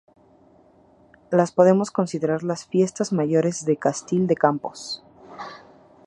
Las podemos considerar las fiestas mayores de Castil de Campos.